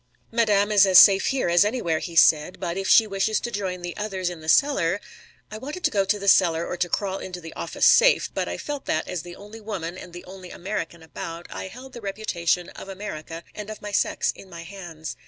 "Madame is as safe here as anywhere," he said. "But if she wishes to join the others in the cellar " I wanted to go to the cellar or to crawl into the office safe. But I felt that, as the only woman and the only American about, I held the reputation of America and of my sex in my hands.